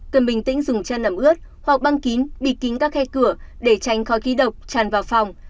cần bình tĩnh dùng chân nẩm ướt hoặc băng kín bịt kính các khe cửa để tránh khói khí độc tràn vào phòng